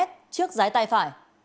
trước dái tay phải